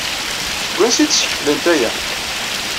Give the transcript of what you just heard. Seg wansi ay d-skeflent aya?